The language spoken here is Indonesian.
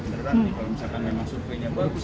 beneran nih kalau misalkan memang surveinya bagus